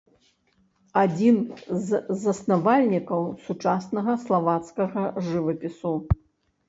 Адзін з заснавальнікаў сучаснага славацкага жывапісу.